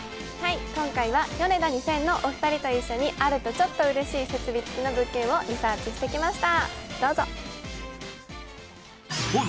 今回はヨネダ２０００のお二人と一緒にあるとちょっとうれしい設備付きの物件をリサーチしてきました。